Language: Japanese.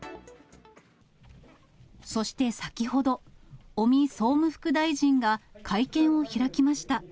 そして先ほど、尾身総務副大臣が会見を開きました。